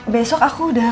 besok aku udah